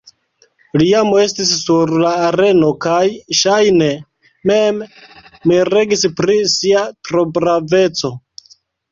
Li jam estis sur la areno kaj, ŝajne, mem miregis pri sia trobraveco.